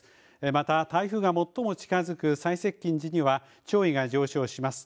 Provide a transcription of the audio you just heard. また、台風が最も近づく最接近時には潮位が上昇します。